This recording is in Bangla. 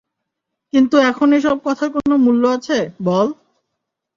কিন্তু এখন এসব কথার কোন মূল্য আছে, বল?